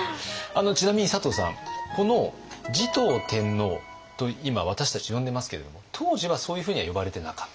ちなみに佐藤さんこの持統天皇と今私たち呼んでますけれども当時はそういうふうには呼ばれてなかった？